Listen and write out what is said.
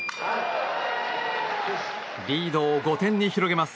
リードを５点に広げます。